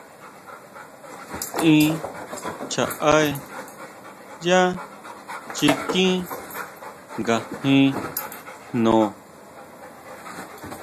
Tʼín chjaʼé yá chikín ngajín jno.